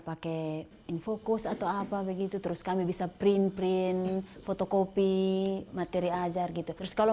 pakai infocus atau apa begitu terus kami bisa print print fotokopi materi ajar gitu terus kalau